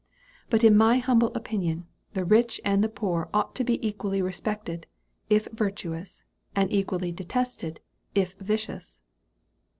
But in my humble opinion, the rich and the poor ought to be equally respected, if virtuous; and equally detested, if vicious."